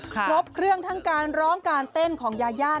ครบเครื่องทั้งการร้องการเต้นของยายา